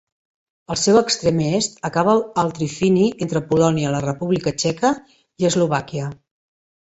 Al seu extrem est acaba al trifini entre Polònia, la República Txeca i Eslovàquia.